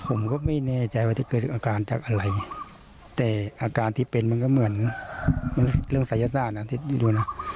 ผมก็ไม่แน่ใจว่าจะเกิดอาการจากอะไรแต่อาการที่เป็นมันก็เหมือนมันเรื่องศัยศาสตร์นะดูนะ